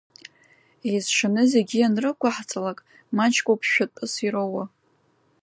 Еизшаны зегьы ианрықәаҳҵалак, маҷкоуп шәатәыс ироуа.